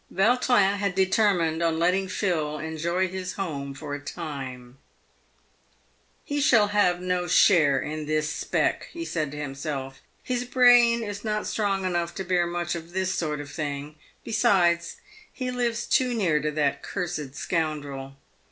Yautrin had determined on letting Phil enjoy his home for a time. \ "He shall have no share in this spec," he said to himself. "His brain is not strong enough to bear much of this sort of thing. Besides, he lives too near to that cursed scoundrel.